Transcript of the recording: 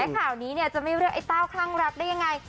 ภาวนี้เนี่ยจะไม่เลือกไอ้เต้าค้างรักได้ยังไง